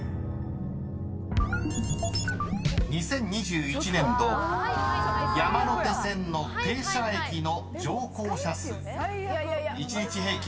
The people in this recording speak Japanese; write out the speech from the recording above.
［２０２１年度山手線の停車駅の乗降者数一日平均